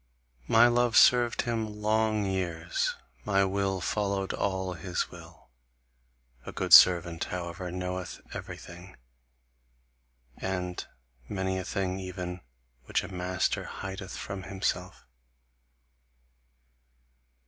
My love served him long years, my will followed all his will. A good servant, however, knoweth everything, and many a thing even which a master hideth from himself.